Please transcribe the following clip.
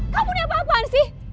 kamu punya apa apaan sih